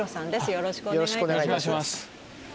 よろしくお願いします。